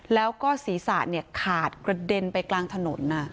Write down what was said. แล้วก็ศีรษะเนี่ยขาดกระเด็นไปกลางถนนอ่ะ